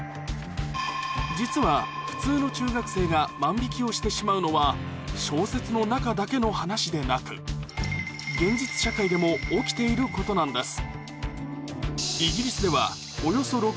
実は普通の中学生が万引きをしてしまうのは小説の中だけの話でなく中でもに陥っているといわれています